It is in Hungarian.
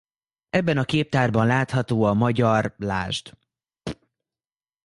Ebben a képtárban található a magyar Id.